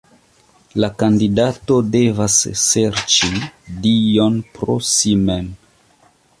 La kandidato devas serĉi Dion pro si mem.